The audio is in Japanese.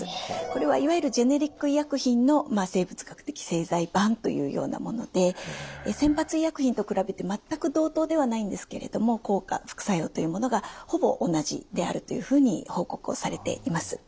これはいわゆるジェネリック医薬品の生物学的製剤版というようなもので先発医薬品と比べて全く同等ではないんですけれども効果副作用というものがほぼ同じであるというふうに報告をされています。